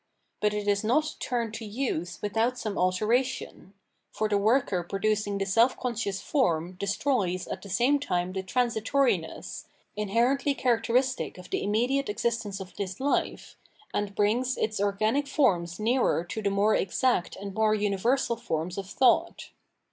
But it is not turned to use without some alteration: for the worker producing the self conscious form destroys at the same time the transitoriness, inherently characteristic of the immediate existence of this hfe, and brings its organic forms nearer to the more exact and more uni versal forms of thought.